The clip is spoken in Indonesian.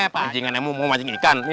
pancingan yang mau mancing ikan